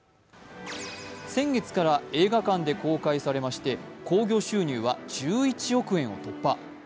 先月から映画館で公開されまして興行収入は１１億円を突破。